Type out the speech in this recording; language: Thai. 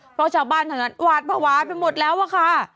เพราะชาวบ้านแถวนั้นหวาดภาวะไปหมดแล้วอะค่ะ